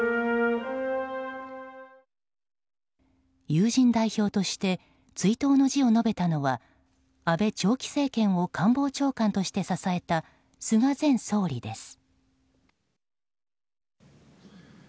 友人代表として追悼の辞を述べたのは安倍長期政権を官房長官として支えた菅前総理です。